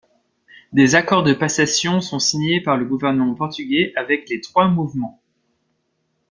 Des accords de passation sont signés par le gouvernement portugais avec les trois mouvements.